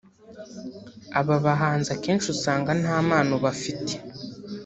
Aba bahanzi akenshi usanga nta mpano bafite